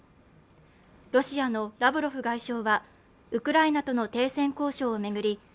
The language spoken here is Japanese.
ロシアのラブロフ外相はウクライナとの停戦交渉を巡り